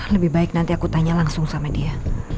lebih baik nanti aku tanya langsung sama dia